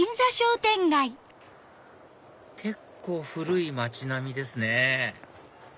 結構古い街並みですね